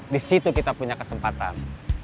disitu kita punya kesempatan